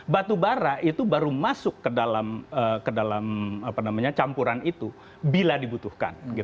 batu bara itu baru masuk ke dalam campuran itu bila dibutuhkan